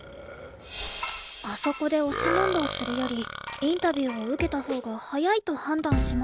あそこで押し問答するよりインタビューを受けたほうが早いと判断しましたが